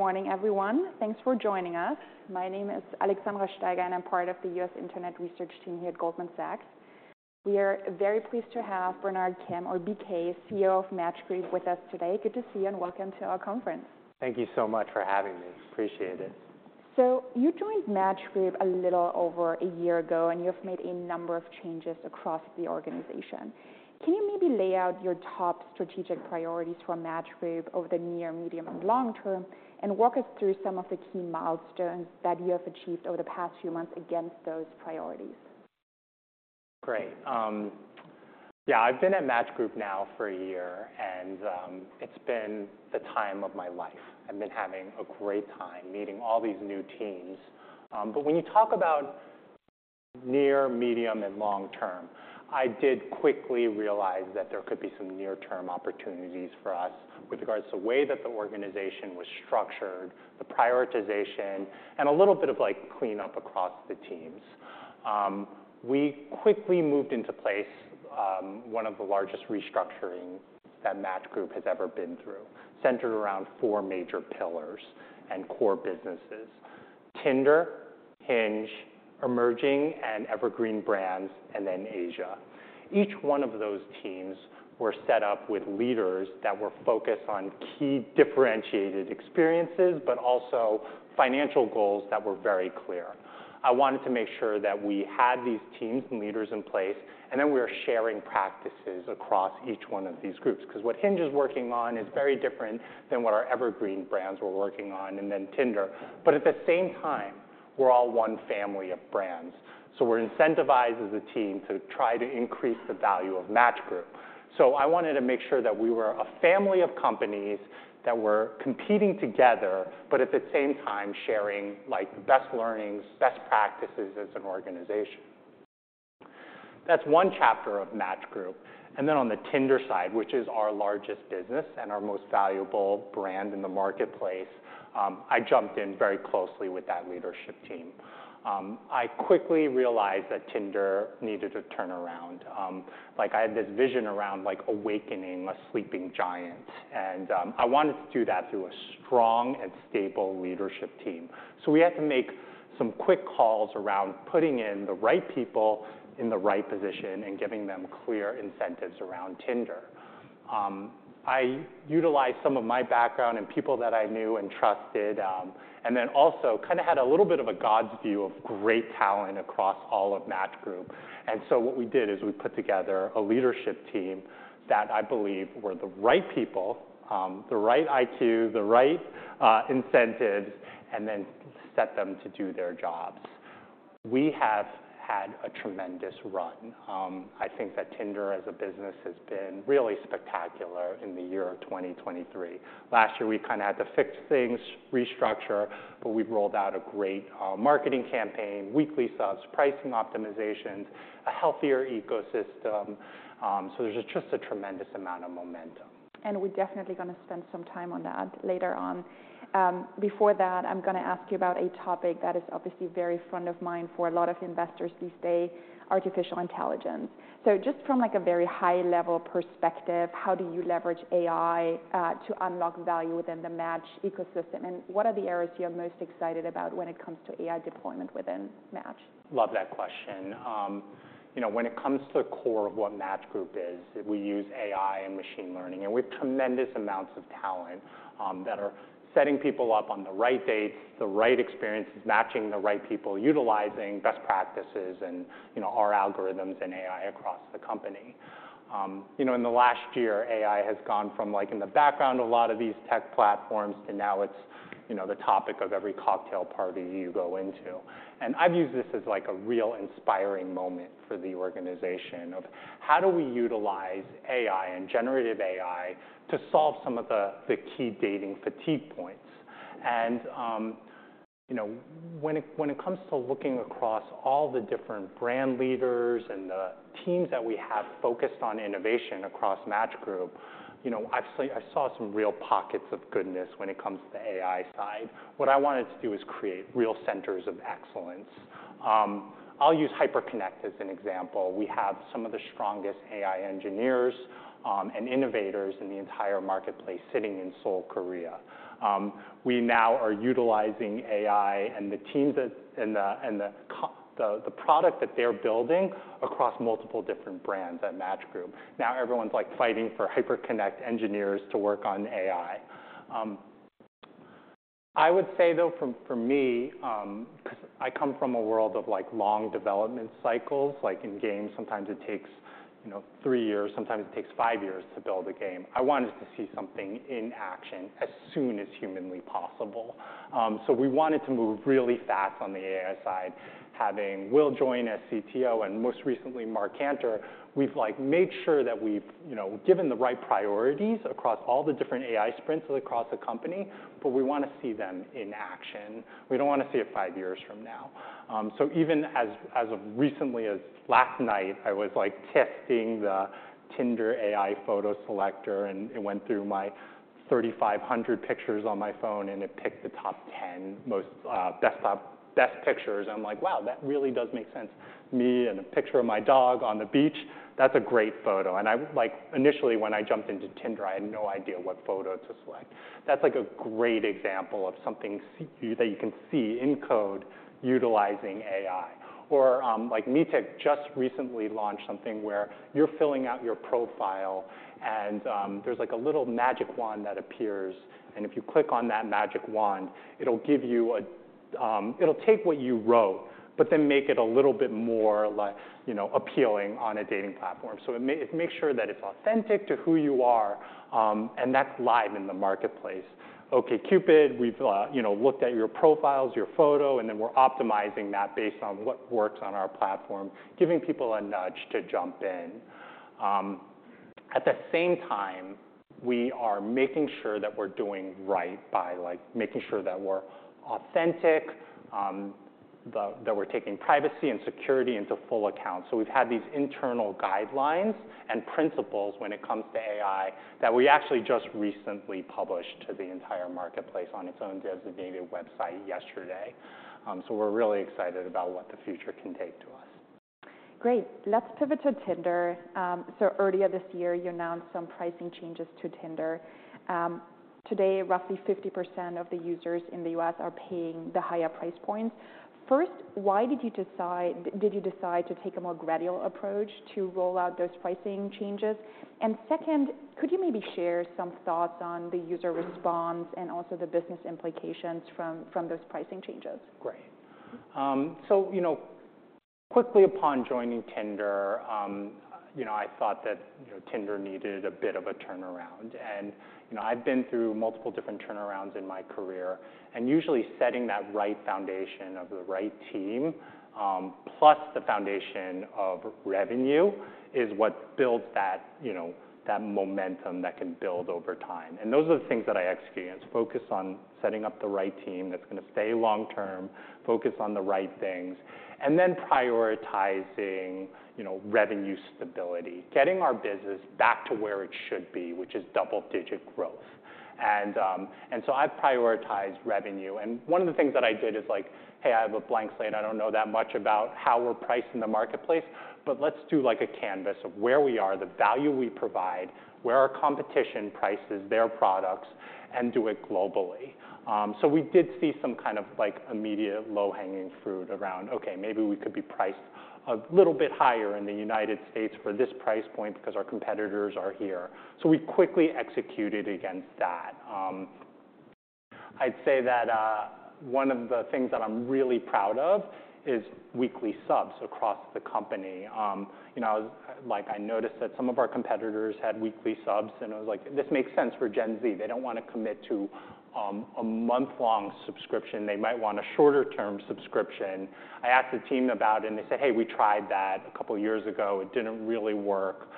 Good morning, everyone. Thanks for joining us. My name is Alexandra Steiger, and I'm part of the U.S. Internet Research Team here at Goldman Sachs. We are very pleased to have Bernard Kim, or BK, CEO of Match Group, with us today. Good to see you, and welcome to our conference. Thank you so much for having me. Appreciate it. So you joined Match Group a little over a year ago, and you have made a number of changes across the organization. Can you maybe lay out your top strategic priorities for Match Group over the near, medium, and long term, and walk us through some of the key milestones that you have achieved over the past few months against those priorities? Great. Yeah, I've been at Match Group now for a year, and, it's been the time of my life. I've been having a great time meeting all these new teams. But when you talk about near, medium, and long term, I did quickly realize that there could be some near-term opportunities for us with regards to the way that the organization was structured, the prioritization, and a little bit of, like, cleanup across the teams. We quickly moved into place, one of the largest restructuring that Match Group has ever been through, centered around four major pillars and core businesses: Tinder, Hinge, Emerging and Evergreen brands, and then Asia. Each one of those teams were set up with leaders that were focused on key differentiated experiences, but also financial goals that were very clear. I wanted to make sure that we had these teams and leaders in place, and then we are sharing practices across each one of these groups. 'Cause what Hinge is working on is very different than what our Evergreen brands were working on, and then Tinder. But at the same time, we're all one family of brands, so we're incentivized as a team to try to increase the value of Match Group. So I wanted to make sure that we were a family of companies that were competing together, but at the same time, sharing, like, best learnings, best practices as an organization. That's one chapter of Match Group, and then on the Tinder side, which is our largest business and our most valuable brand in the marketplace, I jumped in very closely with that leadership team. I quickly realized that Tinder needed a turnaround. Like, I had this vision around, like, awakening a sleeping giant, and I wanted to do that through a strong and stable leadership team. So we had to make some quick calls around putting in the right people in the right position and giving them clear incentives around Tinder. I utilized some of my background and people that I knew and trusted, and then also kind of had a little bit of a god's view of great talent across all of Match Group. And so what we did is we put together a leadership team that I believe were the right people, the right IQ, the right incentives, and then set them to do their jobs. We have had a tremendous run. I think that Tinder as a business has been really spectacular in the year of 2023. Last year, we kinda had to fix things, restructure, but we've rolled out a great marketing campaign, weekly subs, pricing optimizations, a healthier ecosystem. So there's just a tremendous amount of momentum. We're definitely gonna spend some time on that later on. Before that, I'm gonna ask you about a topic that is obviously very front of mind for a lot of investors these days: artificial intelligence. Just from, like, a very high-level perspective, how do you leverage AI to unlock value within the Match ecosystem? And what are the areas you are most excited about when it comes to AI deployment within Match? Love that question. You know, when it comes to the core of what Match Group is, we use AI and machine learning, and we have tremendous amounts of talent that are setting people up on the right dates, the right experiences, matching the right people, utilizing best practices and, you know, our algorithms and AI across the company. You know, in the last year, AI has gone from, like, in the background of a lot of these tech platforms to now it's, you know, the topic of every cocktail party you go into. And I've used this as, like, a real inspiring moment for the organization of: How do we utilize AI and generative AI to solve some of the key dating fatigue points? You know, when it comes to looking across all the different brand leaders and the teams that we have focused on innovation across Match Group, you know, I saw some real pockets of goodness when it comes to the AI side. What I wanted to do is create real centers of excellence. I'll use Hyperconnect as an example. We have some of the strongest AI engineers and innovators in the entire marketplace sitting in Seoul, Korea. We now are utilizing AI and the teams that and the product that they're building across multiple different brands at Match Group. Now everyone's like fighting for Hyperconnect engineers to work on AI. I would say, though, for me, 'cause I come from a world of, like, long development cycles, like in games, sometimes it takes, you know, three years, sometimes it takes five years to build a game. I wanted to see something in action as soon as humanly possible. So we wanted to move really fast on the AI side. Having Will join as CTO and most recently, Mark Kantor, we've, like, made sure that we've, you know, given the right priorities across all the different AI sprints across the company, but we wanna see them in action. We don't wanna see it five years from now. So even as of recently as last night, I was, like, testing the Tinder AI Photo Selector, and it went through my have 3,500 pictures on my phone, and it picked the top 10 most best pictures. I'm like: Wow, that really does make sense. Me and a picture of my dog on the beach, that's a great photo. And I, like, initially, when I jumped into Tinder, I had no idea what photo to select. That's, like, a great example of something that you can see in code utilizing AI. Or, like, Meetic just recently launched something where you're filling out your profile and, there's, like, a little magic wand that appears, and if you click on that magic wand, it'll give you a... It'll take what you wrote, but then make it a little bit more like, you know, appealing on a dating platform. So it makes sure that it's authentic to who you are, and that's live in the marketplace. OkCupid, we've you know, looked at your profiles, your photo, and then we're optimizing that based on what works on our platform, giving people a nudge to jump in. At the same time, we are making sure that we're doing right by, like, making sure that we're authentic, that we're taking privacy and security into full account. So we've had these internal guidelines and principles when it comes to AI, that we actually just recently published to the entire marketplace on its own designated website yesterday. So we're really excited about what the future can take to us. Great. Let's pivot to Tinder. So earlier this year, you announced some pricing changes to Tinder. Today, roughly 50% of the users in the U.S. are paying the higher price points. First, why did you decide to take a more gradual approach to roll out those pricing changes? And second, could you maybe share some thoughts on the user response and also the business implications from those pricing changes? Great. So, you know, quickly upon joining Tinder, you know, I thought that, you know, Tinder needed a bit of a turnaround. And, you know, I've been through multiple different turnarounds in my career, and usually setting that right foundation of the right team, plus the foundation of revenue, is what builds that, you know, that momentum that can build over time. And those are the things that I experienced: focus on setting up the right team that's gonna stay long term, focus on the right things, and then prioritizing, you know, revenue stability, getting our business back to where it should be, which is double-digit growth. And so I've prioritized revenue, and one of the things that I did is, like, hey, I have a blank slate. I don't know that much about how we're priced in the marketplace, but let's do, like, a canvass of where we are, the value we provide, where our competition prices their products, and do it globally. So we did see some kind of, like, immediate low-hanging fruit around, okay, maybe we could be priced a little bit higher in the United States for this price point because our competitors are here. So we quickly executed against that. I'd say that one of the things that I'm really proud of is weekly subs across the company. You know, like, I noticed that some of our competitors had weekly subs, and I was like: This makes sense for Gen Z. They don't wanna commit to a month-long subscription. They might want a shorter-term subscription. I asked the team about it, and they said, "Hey, we tried that a couple of years ago. It didn't really work."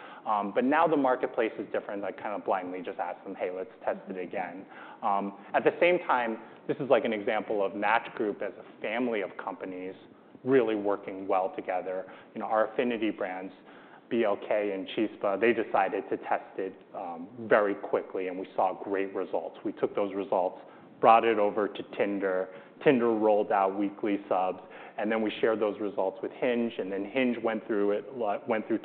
But now the marketplace is different. I kind of blindly just asked them, "Hey, let's test it again." At the same time, this is like an example of Match Group as a family of companies really working well together. You know, our affinity brands, BLK and Chispa, they decided to test it very quickly, and we saw great results. We took those results, brought it over to Tinder. Tinder rolled out weekly subs, and then we shared those results with Hinge, and then Hinge went through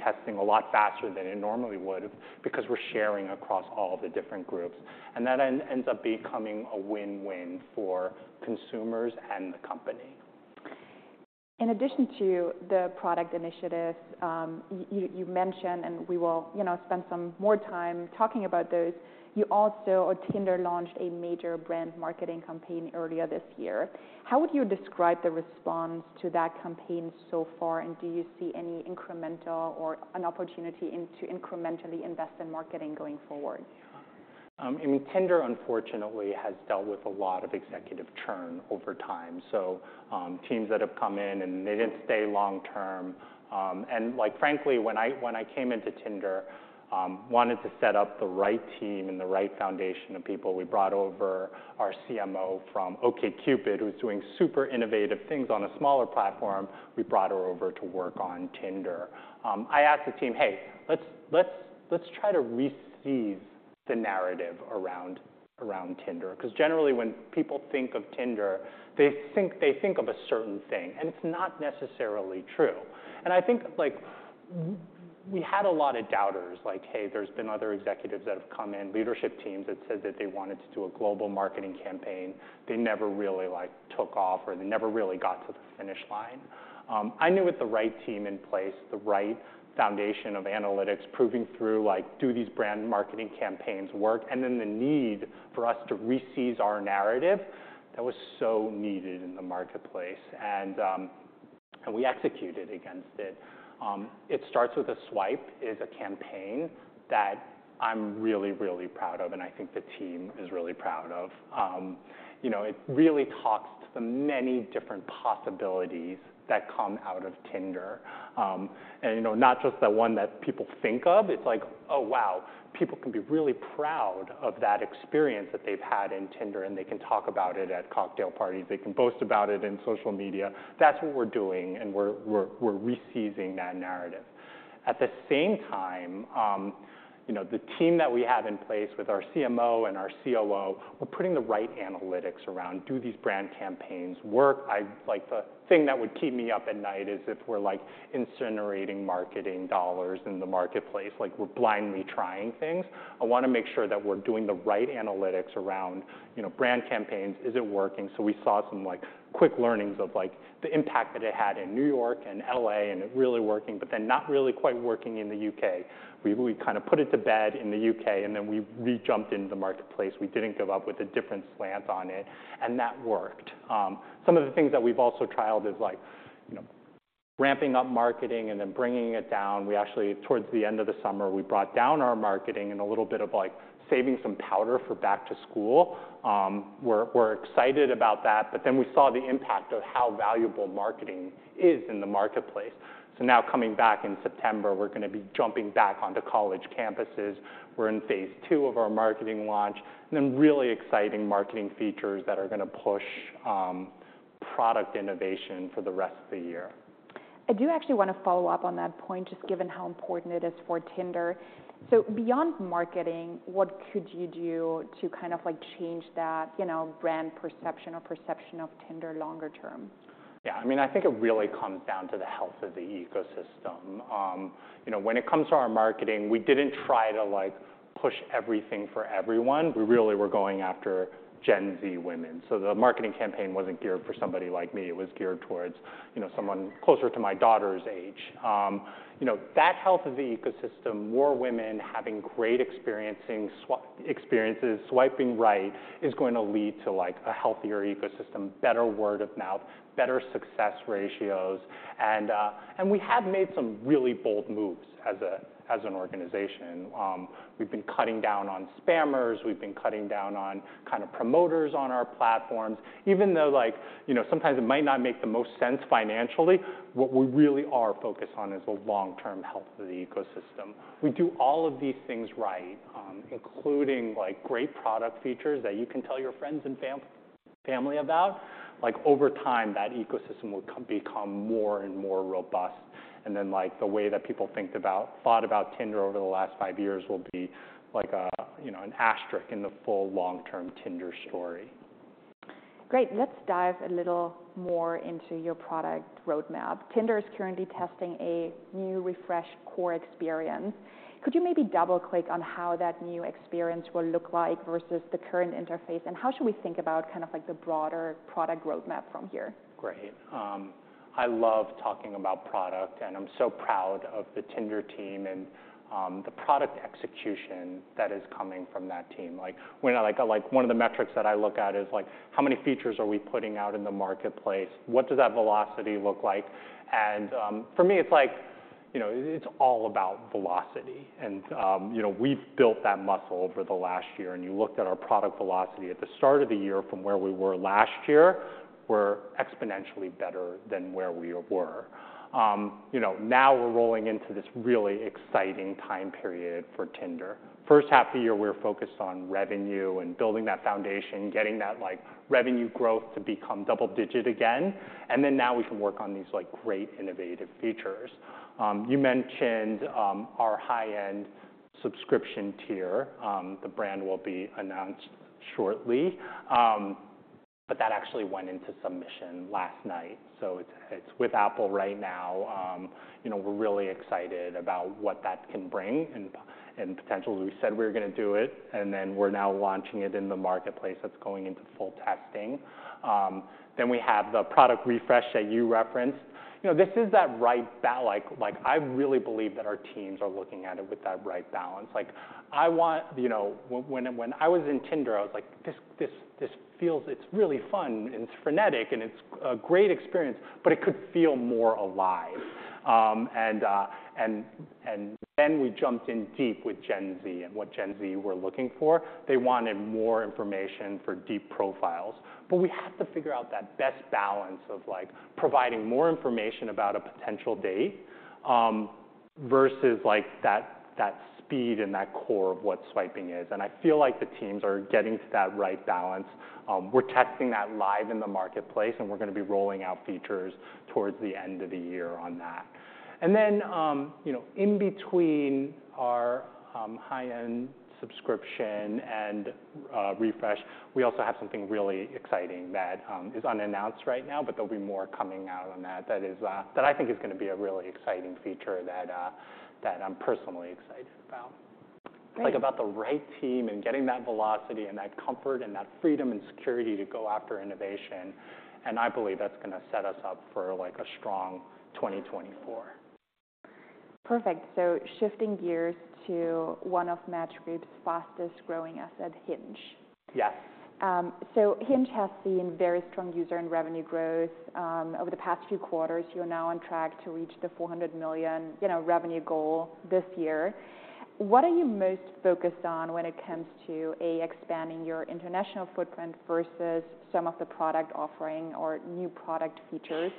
testing a lot faster than it normally would've because we're sharing across all the different groups. And that then ends up becoming a win-win for consumers and the company. In addition to the product initiatives, you mentioned, and we will, you know, spend some more time talking about those, Tinder also launched a major brand marketing campaign earlier this year. How would you describe the response to that campaign so far, and do you see any incremental or an opportunity to incrementally invest in marketing going forward? I mean, Tinder, unfortunately, has dealt with a lot of executive churn over time, so teams that have come in, and they didn't stay long term. Like, frankly, when I came into Tinder, wanted to set up the right team and the right foundation of people. We brought over our CMO from OkCupid, who's doing super innovative things on a smaller platform. We brought her over to work on Tinder. I asked the team: "Hey, let's try to reseize the narrative around Tinder." 'Cause generally, when people think of Tinder, they think of a certain thing, and it's not necessarily true. I think, like, we had a lot of doubters, like, "Hey, there's been other executives that have come in, leadership teams that said that they wanted to do a global marketing campaign. They never really, like, took off, or they never really got to the finish line." I knew with the right team in place, the right foundation of analytics, proving through, like, do these brand marketing campaigns work? And then the need for us to reseize our narrative, that was so needed in the marketplace, and, and we executed against it. It Starts with a Swipe is a campaign that I'm really, really proud of, and I think the team is really proud of. You know, it really talks to the many different possibilities that come out of Tinder. And, you know, not just the one that people think of. It's like, oh, wow, people can be really proud of that experience that they've had in Tinder, and they can talk about it at cocktail parties. They can boast about it in social media. That's what we're doing, and we're reseizing that narrative. At the same time, you know, the team that we have in place with our CMO and our COO, we're putting the right analytics around: do these brand campaigns work? I, like, the thing that would keep me up at night is if we're, like, incinerating marketing dollars in the marketplace, like, we're blindly trying things. I wanna make sure that we're doing the right analytics around, you know, brand campaigns. Is it working? So we saw some, like, quick learnings of, like, the impact that it had in New York and L.A., and it really working, but then not really quite working in the U.K. We kind of put it to bed in the U.K., and then we jumped into the marketplace. We didn't give up with a different slant on it, and that worked. Some of the things that we've also trialed is, like, you know, ramping up marketing and then bringing it down. We actually, towards the end of the summer, we brought down our marketing and a little bit of, like, saving some powder for back to school. We're, we're excited about that, but then we saw the impact of how valuable marketing is in the marketplace. So now coming back in September, we're gonna be jumping back onto college campuses. We're in phase two of our marketing launch, and then really exciting marketing features that are gonna push product innovation for the rest of the year. I do actually wanna follow up on that point, just given how important it is for Tinder. So beyond marketing, what could you do to kind of, like, change that, you know, brand perception or perception of Tinder longer term? Yeah, I mean, I think it really comes down to the health of the ecosystem. You know, when it comes to our marketing, we didn't try to, like, push everything for everyone. We really were going after Gen Z women. So the marketing campaign wasn't geared for somebody like me. It was geared towards, you know, someone closer to my daughter's age. You know, that health of the ecosystem, more women having great experiences swiping right, is going to lead to, like, a healthier ecosystem, better word of mouth, better success ratios. And we have made some really bold moves as a, as an organization. We've been cutting down on spammers, we've been cutting down on kind of promoters on our platforms. Even though, like, you know, sometimes it might not make the most sense financially, what we really are focused on is the long-term health of the ecosystem. We do all of these things right, including, like, great product features that you can tell your friends and family about. Like, over time, that ecosystem will become more and more robust. And then, like, the way that people think about, thought about Tinder over the last five years will be like a, you know, an asterisk in the full long-term Tinder story. Great. Let's dive a little more into your product roadmap. Tinder is currently testing a new refreshed core experience. Could you maybe double-click on how that new experience will look like versus the current interface, and how should we think about kind of, like, the broader product roadmap from here? Great. I love talking about product, and I'm so proud of the Tinder team and the product execution that is coming from that team. Like, one of the metrics that I look at is, like, how many features are we putting out in the marketplace? What does that velocity look like? And, for me, it's like, you know, it's all about velocity. And, you know, we've built that muscle over the last year, and you looked at our product velocity at the start of the year from where we were last year, we're exponentially better than where we were. You know, now we're rolling into this really exciting time period for Tinder. First half of the year, we're focused on revenue and building that foundation, getting that, like, revenue growth to become double-digit again, and then now we can work on these, like, great innovative features. You mentioned our high-end subscription tier. The brand will be announced shortly. But that actually went into submission last night, so it's, it's with Apple right now. You know, we're really excited about what that can bring and, and potentially, we said we were gonna do it, and then we're now launching it in the marketplace. That's going into full testing. Then we have the product refresh that you referenced. You know, this is that right balance, like, like, I really believe that our teams are looking at it with that right balance. Like, I want... You know, when I was in Tinder, I was like, "This feels it's really fun and it's frenetic and it's a great experience, but it could feel more alive." And then we jumped in deep with Gen Z and what Gen Z were looking for. They wanted more information for deep profiles. But we had to figure out that best balance of, like, providing more information about a potential date, versus, like, that speed and that core of what swiping is. And I feel like the teams are getting to that right balance. We're testing that live in the marketplace, and we're gonna be rolling out features towards the end of the year on that. And then, you know, in between our high-end subscription and refresh, we also have something really exciting that is unannounced right now, but there'll be more coming out on that. That is, that I think is gonna be a really exciting feature that I'm personally excited about. Great. Like, about the right team and getting that velocity and that comfort and that freedom and security to go after innovation, and I believe that's gonna set us up for, like, a strong 2024. Perfect. Shifting gears to one of Match Group's fastest-growing asset, Hinge. Yes. Hinge has seen very strong user and revenue growth over the past few quarters. You're now on track to reach the $400 million, you know, revenue goal this year. What are you most focused on when it comes to, A, expanding your international footprint versus some of the product offering or new product features?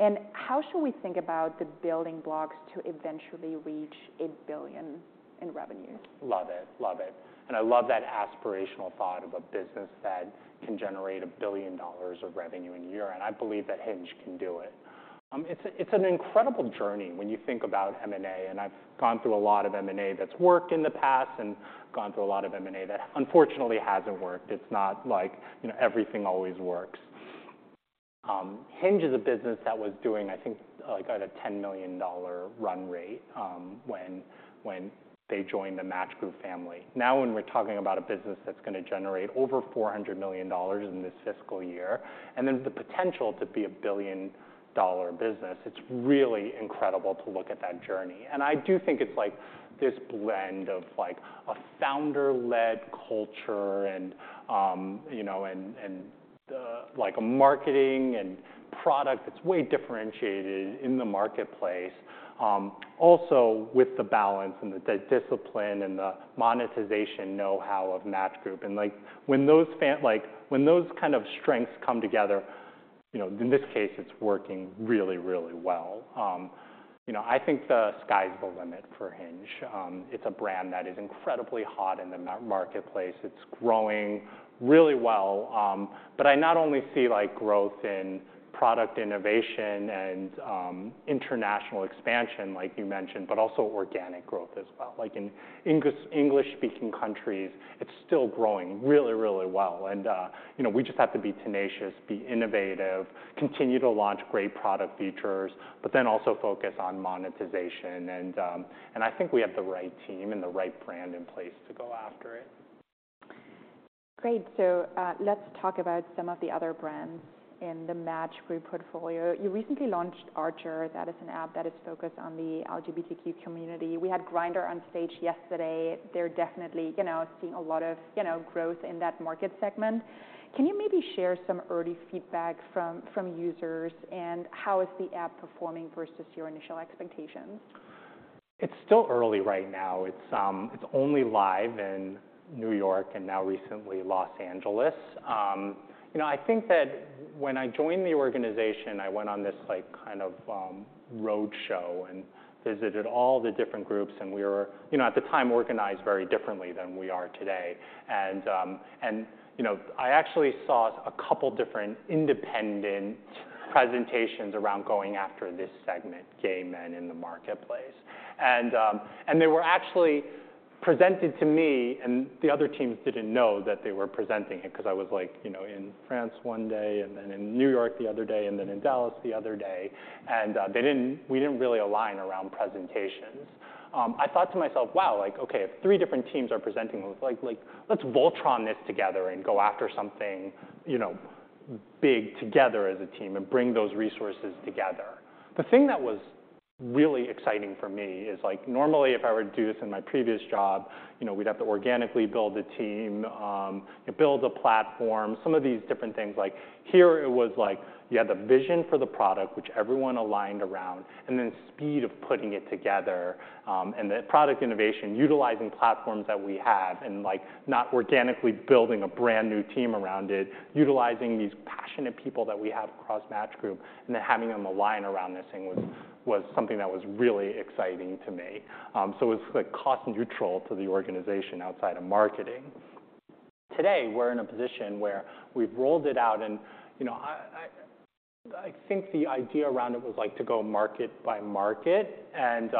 And how should we think about the building blocks to eventually reach $1 billion in revenue. Love it. Love it. And I love that aspirational thought of a business that can generate $1 billion of revenue in a year, and I believe that Hinge can do it. It's an incredible journey when you think about M&A, and I've gone through a lot of M&A that's worked in the past and gone through a lot of M&A that unfortunately hasn't worked. It's not like, you know, everything always works. Hinge is a business that was doing, I think, like at a $10 million run rate, when they joined the Match Group family. Now, when we're talking about a business that's gonna generate over $400 million in this fiscal year, and then the potential to be a billion-dollar business, it's really incredible to look at that journey. I do think it's, like, this blend of, like, a founder-led culture and, you know, the, like, a marketing and product that's way differentiated in the marketplace, also with the balance and the discipline and the monetization know-how of Match Group. And, like, when those kind of strengths come together, you know, in this case, it's working really, really well. You know, I think the sky's the limit for Hinge. It's a brand that is incredibly hot in the marketplace. It's growing really well, but I not only see, like, growth in product innovation and international expansion, like you mentioned, but also organic growth as well. Like, in English-speaking countries, it's still growing really, really well, and, you know, we just have to be tenacious, be innovative, continue to launch great product features, but then also focus on monetization, and, and I think we have the right team and the right brand in place to go after it. Great, so, let's talk about some of the other brands in the Match Group portfolio. You recently launched Archer. That is an app that is focused on the LGBTQ community. We had Grindr on stage yesterday. They're definitely, you know, seeing a lot of, you know, growth in that market segment. Can you maybe share some early feedback from users, and how is the app performing versus your initial expectations? It's still early right now. It's only live in New York and now recently Los Angeles. You know, I think that when I joined the organization, I went on this, like, kind of roadshow and visited all the different groups, and we were, you know, at the time, organized very differently than we are today. You know, I actually saw a couple different independent presentations around going after this segment, gay men in the marketplace. They were actually presented to me, and the other teams didn't know that they were presenting it 'cause I was like, you know, in France one day and then in New York the other day, and then in Dallas the other day, and we didn't really align around presentations. I thought to myself, "Wow, like, okay, if three different teams are presenting, like, let's Voltron this together and go after something, you know, big together as a team and bring those resources together." The thing that was really exciting for me is, like, normally, if I were to do this in my previous job, you know, we'd have to organically build a team, and build a platform, some of these different things. Like, here, it was like you had the vision for the product, which everyone aligned around, and then speed of putting it together, and the product innovation, utilizing platforms that we have, and, like, not organically building a brand-new team around it. Utilizing these passionate people that we have across Match Group and then having them align around this thing was something that was really exciting to me. So it's, like, cost neutral to the organization outside of marketing. Today, we're in a position where we've rolled it out and, you know, I think the idea around it was, like, to go market by market, and,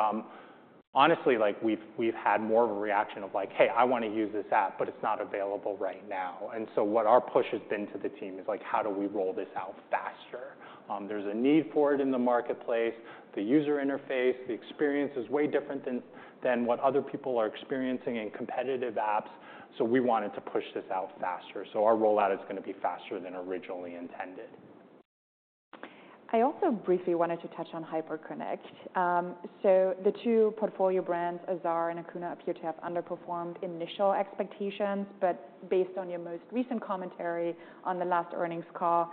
honestly, like, we've had more of a reaction of like, "Hey, I wanna use this app, but it's not available right now." And so what our push has been to the team is, like, how do we roll this out faster? There's a need for it in the marketplace. The user interface, the experience is way different than what other people are experiencing in competitive apps, so we wanted to push this out faster. So our rollout is gonna be faster than originally intended. I also briefly wanted to touch on Hyperconnect. So the two portfolio brands, Azar and Hakuna, appear to have underperformed initial expectations, but based on your most recent commentary on the last earnings call,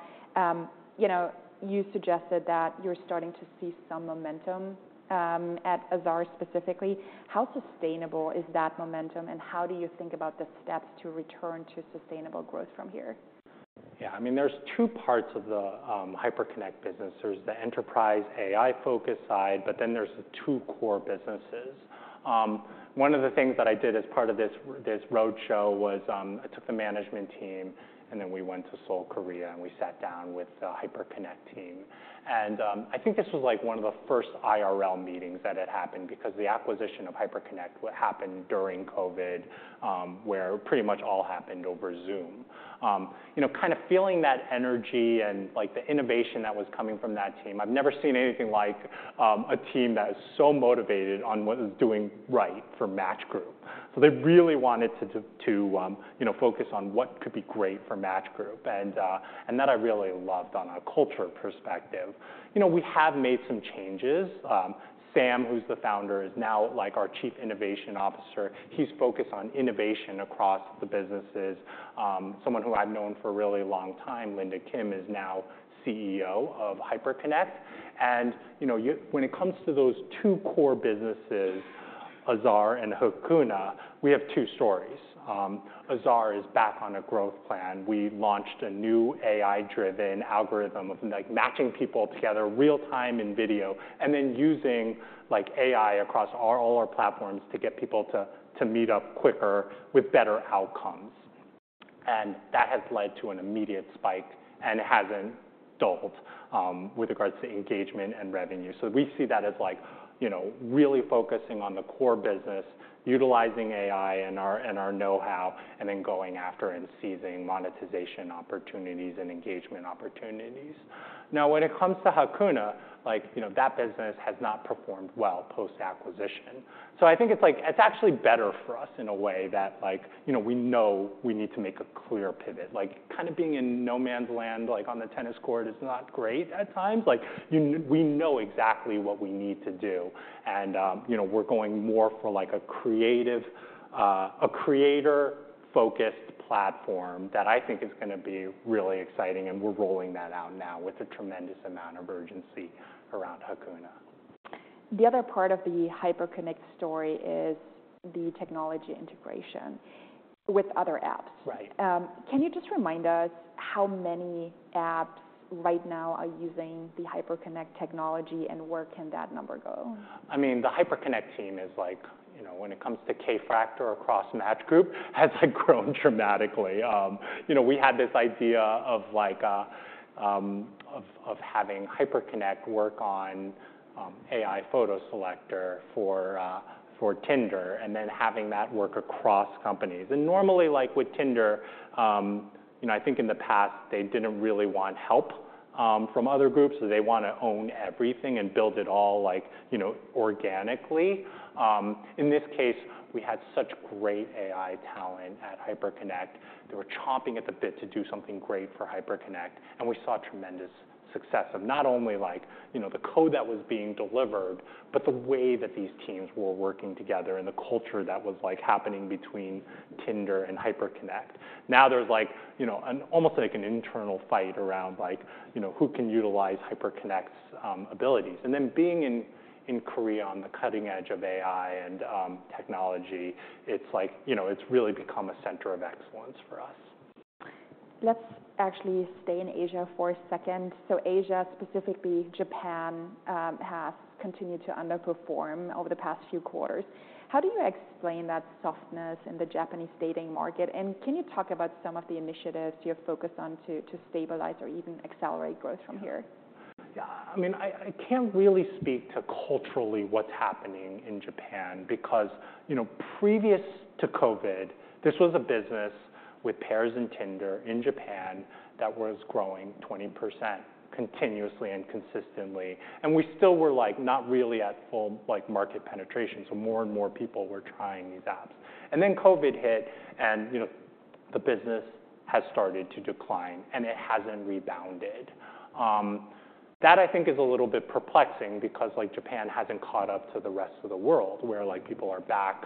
you know, you suggested that you're starting to see some momentum at Azar specifically. How sustainable is that momentum, and how do you think about the steps to return to sustainable growth from here? Yeah, I mean, there's two parts of the Hyperconnect business. There's the enterprise AI-focused side, but then there's the two core businesses. One of the things that I did as part of this roadshow was, I took the management team, and then we went to Seoul, Korea, and we sat down with the Hyperconnect team. And, I think this was, like, one of the first IRL meetings that had happened because the acquisition of Hyperconnect happened during COVID, where pretty much all happened over Zoom. You know, kind of feeling that energy and, like, the innovation that was coming from that team, I've never seen anything like, a team that is so motivated on what it's doing right for Match Group. So they really wanted to you know focus on what could be great for Match Group and that I really loved on a culture perspective. You know, we have made some changes. Sam, who's the founder, is now, like, our Chief Innovation Officer. He's focused on innovation across the businesses. Someone who I've known for a really long time, Linda Kim, is now CEO of Hyperconnect. And, you know, when it comes to those two core businesses, Azar and Hakuna, we have two stories. Azar is back on a growth plan. We launched a new AI-driven algorithm of, like, matching people together real time in video, and then using, like, AI across all our platforms to get people to meet up quicker with better outcomes.... and that has led to an immediate spike, and it hasn't dulled, with regards to engagement and revenue. So we see that as like, you know, really focusing on the core business, utilizing AI and our know-how, and then going after and seizing monetization opportunities and engagement opportunities. Now, when it comes to Hakuna, like, you know, that business has not performed well post-acquisition. So I think it's like, it's actually better for us in a way that like, you know, we know we need to make a clear pivot. Like, kind of being in no man's land, like on the tennis court, is not great at times. Like, we know exactly what we need to do, and, you know, we're going more for, like, a creative, a creator-focused platform that I think is gonna be really exciting, and we're rolling that out now with a tremendous amount of urgency around Hakuna. The other part of the Hyperconnect story is the technology integration with other apps. Right. Can you just remind us how many apps right now are using the Hyperconnect technology, and where can that number go? I mean, the Hyperconnect team is like, you know, when it comes to K-factor across Match Group, has grown dramatically. You know, we had this idea of like, having Hyperconnect work on, AI Photo Selector for, for Tinder, and then having that work across companies. And normally, like with Tinder, you know, I think in the past, they didn't really want help, from other groups. So they wanna own everything and build it all, like, you know, organically. In this case, we had such great AI talent at Hyperconnect. They were chomping at the bit to do something great for Hyperconnect, and we saw tremendous success of not only like, you know, the code that was being delivered, but the way that these teams were working together and the culture that was, like, happening between Tinder and Hyperconnect. Now, there's like, you know, an almost like an internal fight around like, you know, who can utilize Hyperconnect's abilities. And then being in Korea on the cutting edge of AI and technology, it's like, you know, it's really become a center of excellence for us. Let's actually stay in Asia for a second. So Asia, specifically Japan, has continued to underperform over the past few quarters. How do you explain that softness in the Japanese dating market? And can you talk about some of the initiatives you're focused on to stabilize or even accelerate growth from here? Yeah, I mean, I can't really speak to culturally what's happening in Japan because, you know, previous to COVID, this was a business with Pairs and Tinder in Japan that was growing 20% continuously and consistently, and we still were, like, not really at full, like, market penetration, so more and more people were trying these apps. And then COVID hit, and, you know, the business has started to decline, and it hasn't rebounded. That, I think, is a little bit perplexing because, like, Japan hasn't caught up to the rest of the world, where, like, people are back,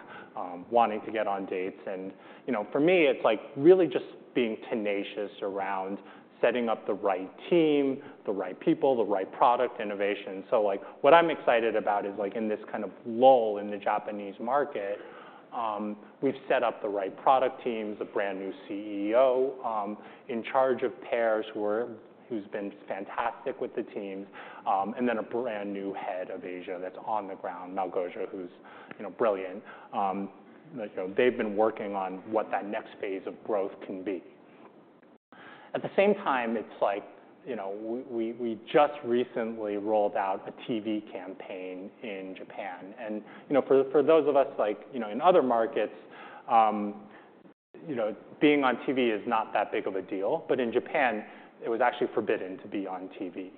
wanting to get on dates. And, you know, for me, it's like really just being tenacious around setting up the right team, the right people, the right product innovation. So like, what I'm excited about is, like, in this kind of lull in the Japanese market, we've set up the right product teams, a brand-new CEO in charge of Pairs, who's been fantastic with the teams, and then a brand-new head of Asia that's on the ground, Malgosia, who's, you know, brilliant. Like, you know, they've been working on what that next phase of growth can be. At the same time, it's like, you know, we just recently rolled out a TV campaign in Japan. And, you know, for those of us, like, you know, in other markets, you know, being on TV is not that big of a deal, but in Japan, it was actually forbidden to be on TV.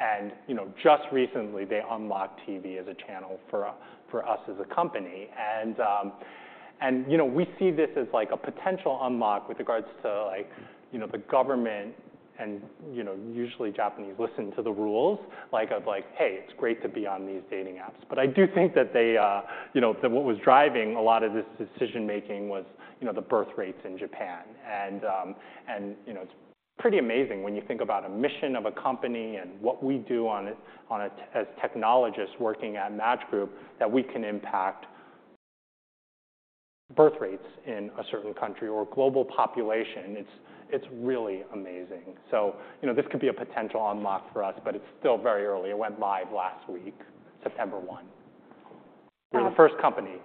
And, you know, just recently, they unlocked TV as a channel for us as a company. You know, we see this as, like, a potential unlock with regards to like, you know, the government, and, you know, usually Japanese listen to the rules. Like, I was like, "Hey, it's great to be on these dating apps." But I do think that they, you know, that what was driving a lot of this decision-making was, you know, the birth rates in Japan. And, you know, it's pretty amazing when you think about a mission of a company and what we do as technologists working at Match Group, that we can impact birth rates in a certain country or global population. It's, it's really amazing. So, you know, this could be a potential unlock for us, but it's still very early. It went live last week, September one. We're the first company,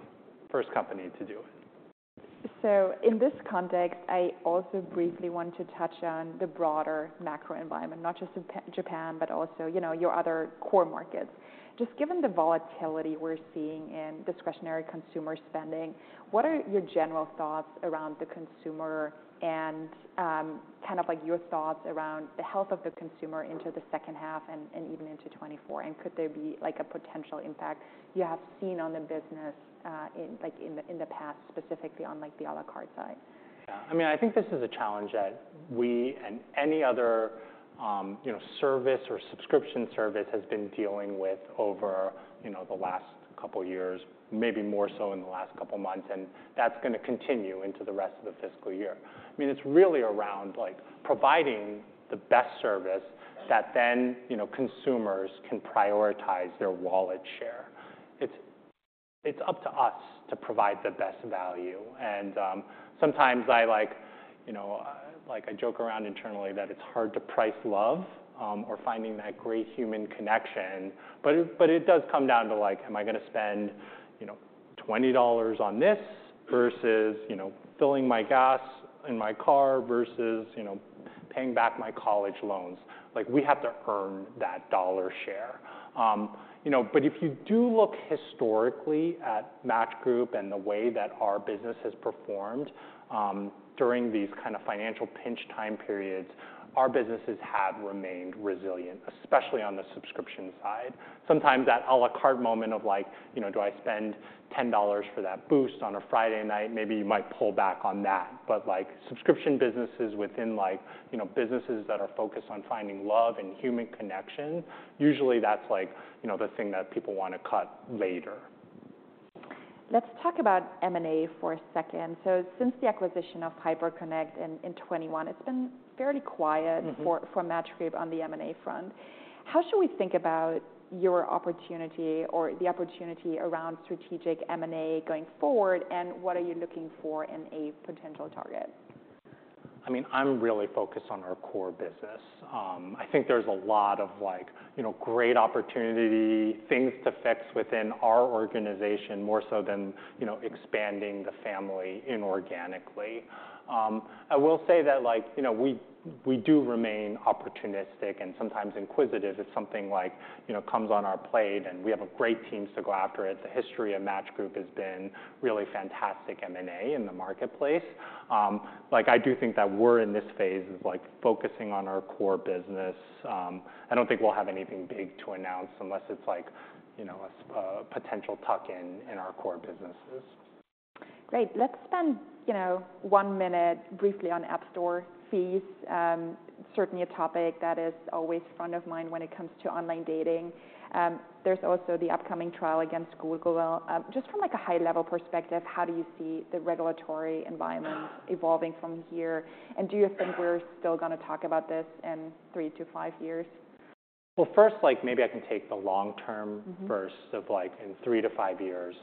first company to do it. So in this context, I also briefly want to touch on the broader macro environment, not just in Japan, but also, you know, your other core markets. Just given the volatility we're seeing in discretionary consumer spending, what are your general thoughts around the consumer and, kind of like your thoughts around the health of the consumer into the second half and, and even into 2024? And could there be, like, a potential impact you have seen on the business, in, like, in the, in the past, specifically on, like, the à la carte side? Yeah. I mean, I think this is a challenge that we and any other, you know, service or subscription service has been dealing with over, you know, the last couple of years, maybe more so in the last couple of months, and that's gonna continue into the rest of the fiscal year. I mean, it's really around, like, providing the best service that then, you know, consumers can prioritize their wallet share. It's, it's up to us to provide the best value, and, sometimes I like, you know, like, I joke around internally that it's hard to price love, or finding that great human connection. But it, but it does come down to like, am I gonna spend, you know, $20 on this versus, you know, filling my gas in my car versus, you know, paying back my college loans? Like, we have to earn that dollar share. You know, but if you do look historically at Match Group and the way that our business has performed, during these kinda financial pinch time periods, our businesses have remained resilient, especially on the subscription side. Sometimes that a la carte moment of like, you know, do I spend $10 for that boost on a Friday night? Maybe you might pull back on that. But, like, subscription businesses within, like, you know, businesses that are focused on finding love and human connection, usually that's like, you know, the thing that people wanna cut later. Let's talk about M&A for a second. So since the acquisition of Hyperconnect in 2021, it's been fairly quiet- Mm-hmm... for Match Group on the M&A front. How should we think about your opportunity or the opportunity around strategic M&A going forward, and what are you looking for in a potential target? I mean, I'm really focused on our core business. I think there's a lot of like, you know, great opportunity, things to fix within our organization, more so than, you know, expanding the family inorganically. I will say that, like, you know, we, we do remain opportunistic and sometimes inquisitive if something like, you know, comes on our plate, and we have a great team to go after it. The history of Match Group has been really fantastic M&A in the marketplace. Like, I do think that we're in this phase of, like, focusing on our core business. I don't think we'll have anything big to announce unless it's like, you know, a potential tuck-in in our core businesses. Great. Let's spend, you know, one minute briefly on App Store fees. Certainly a topic that is always front of mind when it comes to online dating. There's also the upcoming trial against Google. Just from, like, a high-level perspective, how do you see the regulatory environment evolving from here? And do you think we're still gonna talk about this in 3 years-5 years? Well, first, like, maybe I can take the long term- Mm-hmm First off, like, in 3 years-5 years.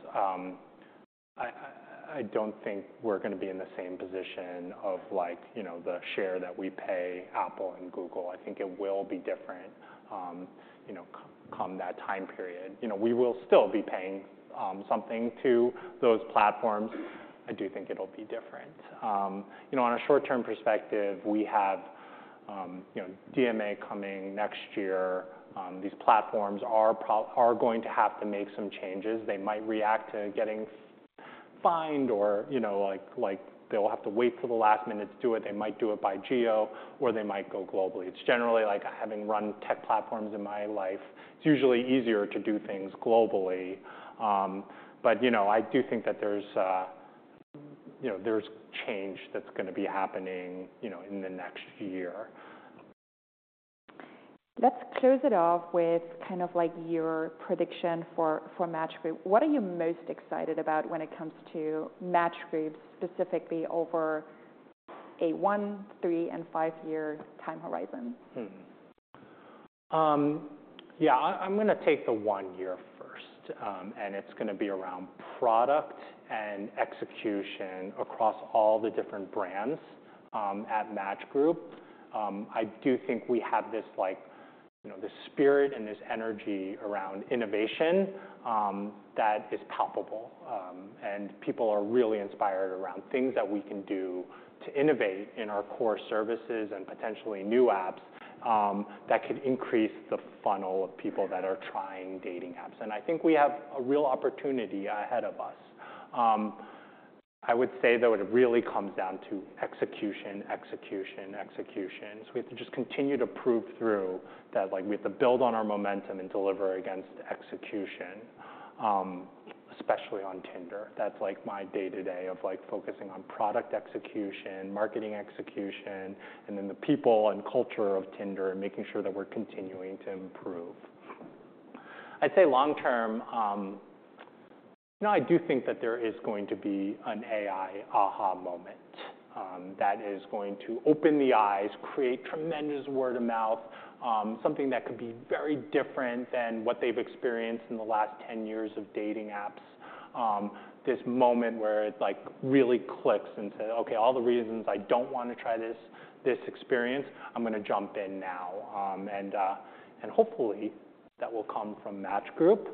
I don't think we're gonna be in the same position of like, you know, the share that we pay Apple and Google. I think it will be different, you know, come that time period. You know, we will still be paying something to those platforms. I do think it'll be different. You know, on a short-term perspective, we have, you know, DMA coming next year. These platforms are probably going to have to make some changes. They might react to getting fined or, you know, like, they'll have to wait for the last minute to do it. They might do it by geo, or they might go globally. It's generally, like, having run tech platforms in my life, it's usually easier to do things globally. You know, I do think that there's, you know, there's change that's gonna be happening, you know, in the next year. Let's close it off with kind of, like, your prediction for, for Match Group. What are you most excited about when it comes to Match Group, specifically over a one, three, and 5-year time horizon? Mm-hmm. Yeah, I'm gonna take the one year first, and it's gonna be around product and execution across all the different brands at Match Group. I do think we have this, like, you know, this spirit and this energy around innovation that is palpable, and people are really inspired around things that we can do to innovate in our core services and potentially new apps that could increase the funnel of people that are trying dating apps, and I think we have a real opportunity ahead of us. I would say, though, it really comes down to execution, execution, execution. So we have to just continue to prove through that, like, we have to build on our momentum and deliver against execution, especially on Tinder. That's, like, my day-to-day of, like, focusing on product execution, marketing execution, and then the people and culture of Tinder, and making sure that we're continuing to improve. I'd say long term, you know, I do think that there is going to be an AI aha moment, that is going to open the eyes, create tremendous word of mouth, something that could be very different than what they've experienced in the last 10 years of dating apps. This moment where it, like, really clicks and say, "Okay, all the reasons I don't want to try this, this experience, I'm gonna jump in now." And, and hopefully that will come from Match Group.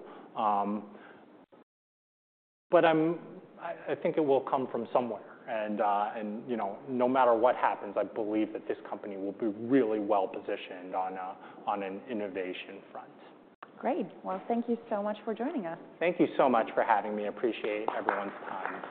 But I'm... I think it will come from somewhere, you know, no matter what happens, I believe that this company will be really well positioned on an innovation front. Great. Well, thank you so much for joining us. Thank you so much for having me. I appreciate everyone's time.